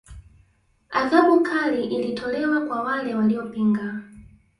Adhabu kali ilitolewa kwa wale waliopinga